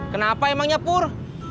kenapa emang nyapur